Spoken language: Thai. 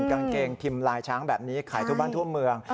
กางเกงพิมพ์ลายช้างแบบนี้ขายทั่วบ้านทั่วเมือง